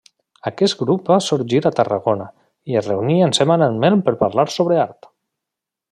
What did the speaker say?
Aquest grup va sorgir a Tarragona i es reunien setmanalment per parlar sobre art.